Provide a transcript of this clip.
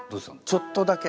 ちょっとだけ。